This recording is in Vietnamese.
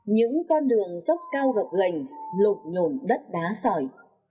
những con đường dốc cao gập gành lộn nhộn đất đá sỏi